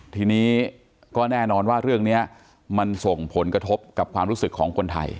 ทีนี้ก็แน่นอนว่าเรื่องนี้มันส่งผลกระทบกับความรู้สึกของคนไทย